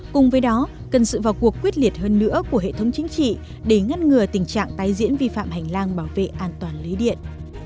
cùng với đó cần sự vào cuộc quyết liệt hơn nữa của hệ thống chính trị để ngăn ngừa tình trạng tái diễn vi phạm hành lang bảo vệ an toàn lưới điện